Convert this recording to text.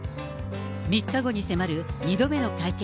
３日後に迫る２度目の会見。